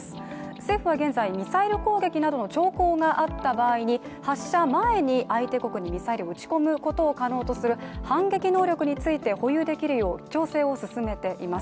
政府は現在、ミサイル攻撃などの兆候があった場合に発射前に相手国にミサイルを撃ち込むことを可能とする反撃能力について保有できるよう調整を進めています。